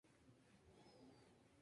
Ruinas antiguo Molino Harinero.